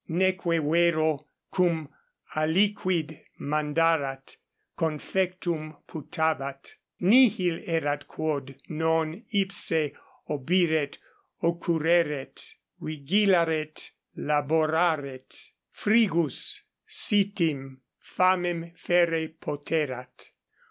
Neque vero, cum aliquid mandarat, confectum putabat: nihil erat quod non ipse obiret occurreret, vigilaret laboraret; frigus, sitim, famem ferre poterat.